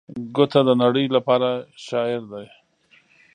ګوته د نړۍ لپاره شاعر دی.